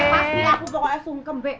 pasti aku pokoknya sungkem be